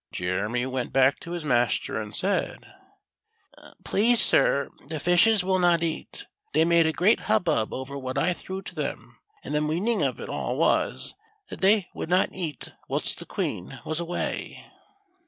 Jeremy went back to his master and said :" Please, sir, the fishes will not eat. They made a great hubbub over what I threw to them ; and the meaning of it all was, that they would not eat whilst the Queen was away."